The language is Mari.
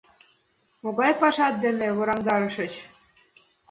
Могай пашат дене вораҥдарышыч?..